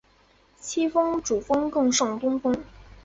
七星主峰更胜东峰